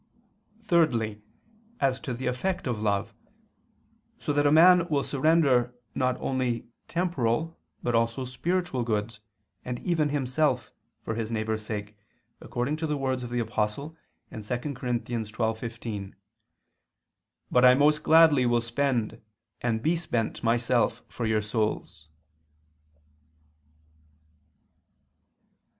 Thirdly, as to the effect of love, so that a man will surrender not only temporal but also spiritual goods and even himself, for his neighbor's sake, according to the words of the Apostle (2 Cor. 12:15), "But I most gladly will spend and be spent myself for your souls."